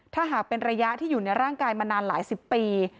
ถ้าหากเป็นระยะที่อยู่ในร่างกายมานานหลายสิบปี